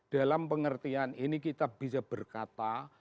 dalam pengertian ini kita bisa berkata